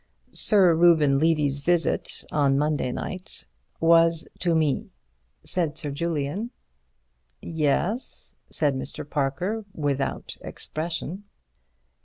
"Sir Reuben Levy's visit on Monday night was to me," said Sir Julian. "Yes?" said Mr. Parker, without expression.